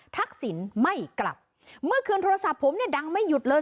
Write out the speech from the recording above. ทักษิณไม่กลับเมื่อคืนโทรศัพท์ผมเนี่ยดังไม่หยุดเลย